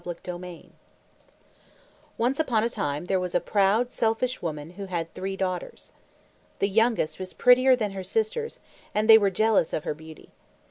CINDERELLA Once upon a time, there was a proud, selfish woman who had three daughters. The youngest was prettier than her sisters, and they were jealous of her beauty.